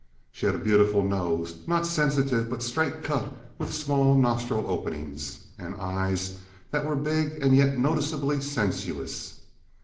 She had a beautiful nose, not sensitive, but straight cut with small nostril openings, and eyes that were big and yet noticeably sensuous.